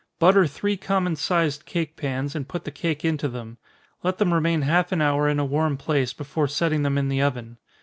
Butter three common sized cake pans, and put the cake into them let them remain half an hour in a warm place, before setting them in the oven.